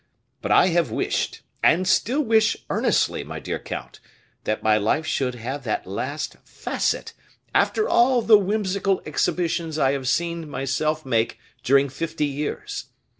But I have wished, and still wish earnestly, my dear count, that my life should have that last facet, after all the whimsical exhibitions I have seen myself make during fifty years.